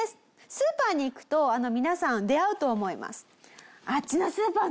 スーパーに行くと皆さん出会うと思います。